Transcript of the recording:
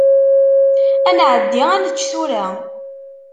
Ad nεeddi ad nečč tura.